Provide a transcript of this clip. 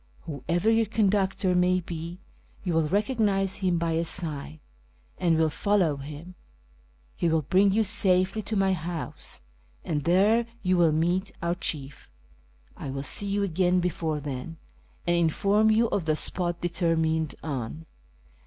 AVhoever yuur conductor may be, you will lecognise him l>y a sign, and will follow liiiii : he will bring you safely to my house, and there you Mill meet our chief. I will see you again before then, and inform you of the spot determined on.